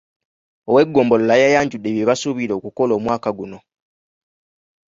Ow’eggombolola yayanjudde bye basuubira okukola omwaka guno.